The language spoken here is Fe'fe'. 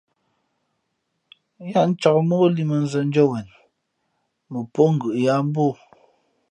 Yáá ncāk mά ó líꞌmᾱ nzᾱndʉ́ά wen, mα póngʉ̌ʼ yáá mbú o.